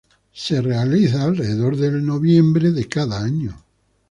Se realizó alrededor de noviembre de cada año.